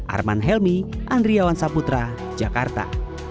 arman helmi andriawan saputra jakarta